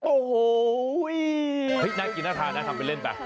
โอ้โหน่ากินน่าทานนะทำเป็นเล่นไป